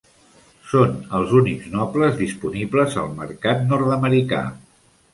Són els únics Nobles disponibles al mercat nord-americà.